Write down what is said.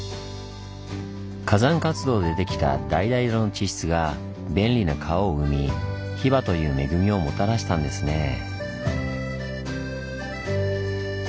火山活動で出来た橙色の地質が便利な川を生みヒバという恵みをもたらしたんですねぇ。